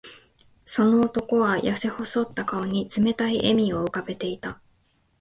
その男は、やせ細った顔に冷たい笑みを浮かべていた。